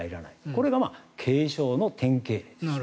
これが軽症の典型例です。